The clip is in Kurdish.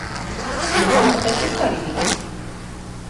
Dotmama te çi karî dike?